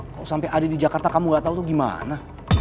kalau sampai ada di jakarta kamu gak tau tuh gimana